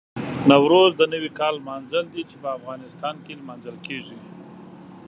نوروز د نوي کال لمانځل دي چې په افغانستان کې لمانځل کېږي.